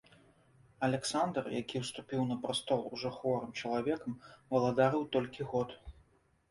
Аляксандр, які ўступіў на прастол ужо хворым чалавекам, валадарыў толькі год.